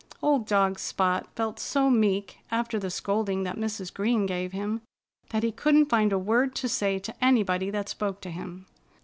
Old dog Spot felt so meek, after the scolding that Mrs. Green gave him, that he couldn't find a word to say to anybody that spoke to him.